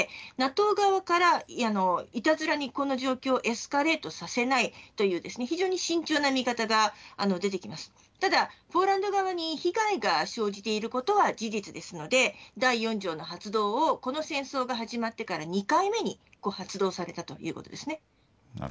ＮＡＴＯ側からいたずらにこの状況をエスカレートさせないという分、慎重な見方が出てきていますがただポーランド側に被害が生じていることは事実ですので第４条の発動をこの戦争が始まってから２回目に発動されたということです。